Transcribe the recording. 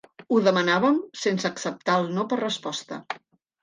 Ho demanàvem sense acceptar el no per resposta.